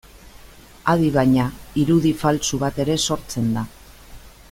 Adi baina, irudi faltsu bat ere sortzen da.